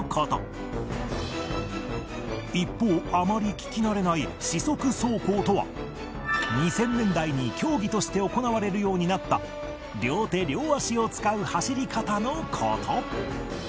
一方あまり聞き慣れない四足走行とは２０００年代に競技として行われるようになった両手両足を使う走り方の事